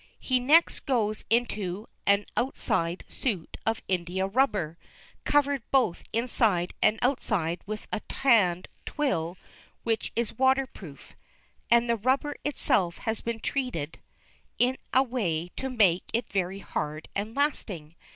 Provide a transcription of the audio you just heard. He next goes into an outside suit of India rubber, covered both inside and outside with a tanned twill which is water proof, and the rubber itself has been treated in a way to make it very hard and lasting.